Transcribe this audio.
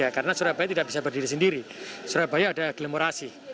karena surabaya tidak bisa berdiri sendiri surabaya ada agglomerasi